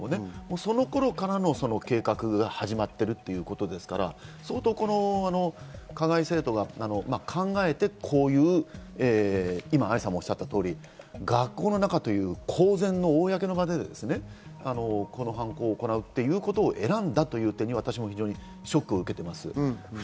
その頃からの計画が始まっているということですから、加害生徒が相当考えてこういう、愛さんもおっしゃった通り、学校の中という公然の公の場でこの犯行を行うということを選んだという点に私もショックを受けています。